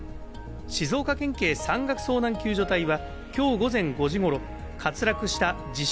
静岡県警山岳遭難救助隊は、今日午前５時ごろ、滑落した自称